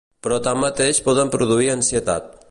Però tanmateix poden produir ansietat.